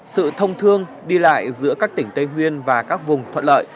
sự thông thương đi lại giữa các tỉnh tây nguyên và các vùng thuận lợi